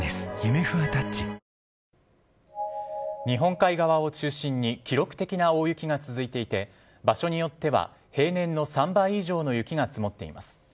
日本海側を中心に記録的な大雪が続いていて場所によっては平年の３倍以上の雪が積もっています。